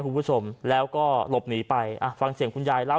คุณผู้ชมแล้วก็หลบหนีไปอ่ะฟังเสียงคุณยายเล่า